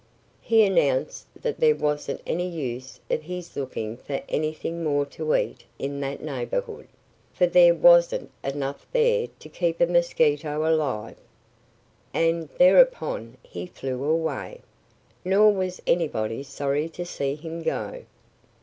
He announced that there wasn't any use of his looking for anything more to eat in that neighborhood, for there wasn't enough there to keep a mosquito alive. And thereupon he flew away. Nor was anybody sorry to see him go.